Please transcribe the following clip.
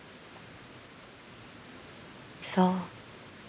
そう。